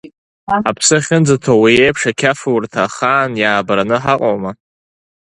Ҳаԥсы ахьынӡаҭоу уи еиԥш ақьафурҭа ахаан иаабараны ҳаҟоума?